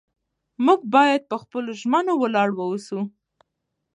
موږ باید په خپلو ژمنو ولاړ واوسو